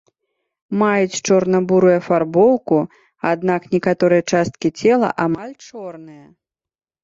Маюць чорна-бурую афарбоўку, аднак некаторыя часткі цела амаль чорныя.